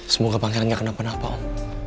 semoga pangeran gak kena penapa om